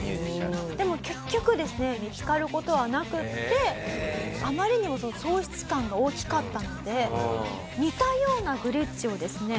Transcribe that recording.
でも結局ですね見つかる事はなくってあまりにもその喪失感が大きかったので似たようなグレッチをですね